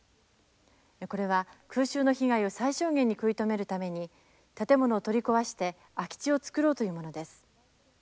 これは空襲の被害を最小限に食い止めるために建物を取り壊して空き地を作ろうというものです。